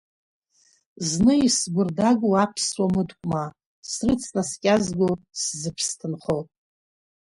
Зны исгәырдагоу аԥсуа мыткәма, срыцнаскьазго сзыԥсҭынхоу.